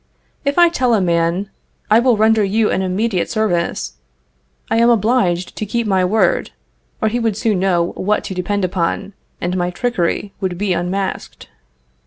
If I tell a man: "I will render you an immediate service," I am obliged to keep my word, or he would soon know what to depend upon, and my trickery would be unmasked.